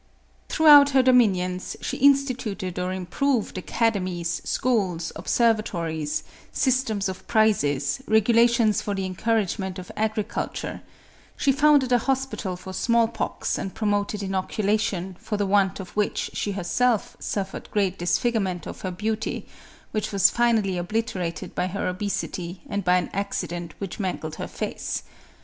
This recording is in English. Throughout her dominions, she instituted or im proved academies, schools, observatories, systems of prizes, regulations for the encouragement of agricul ture; she founded a hospital for small pox, and pro moted inoculation, for the want of which she herself suffered great disfigurement of her beauty, which was finally obliterated by her obesity and by an accident which mangled her face.